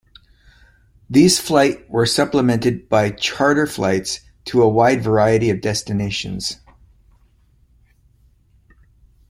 These flight were supplemented by charter flights to a wide variety of destinations.